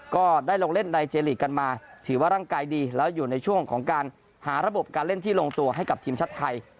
ก็ได้ลงเล่นในเจลีกกันมาถือว่าร่างกายดีแล้วอยู่ในช่วงของการหาระบบการเล่นที่ลงตัวให้กับทีมชาติไทย